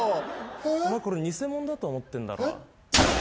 これ偽物だと思ってんだろ？